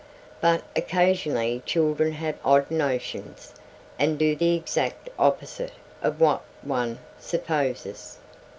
But occasionally children have odd notions, and do the exact opposite of what one supposes.